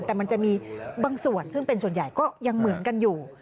แต่มันจะมีบางส่วนซึ่งเป็นส่วนใหญ่ก็ยังเหมือนกันอยู่